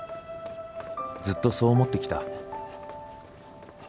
ずっとそう思ってきた。